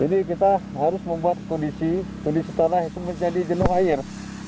jadi kita harus membuat kondisi tanah menjadi jenuh air